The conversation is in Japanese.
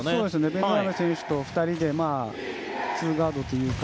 ベンドラメ選手と２人でツーガードというか。